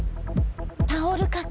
タオル掛け。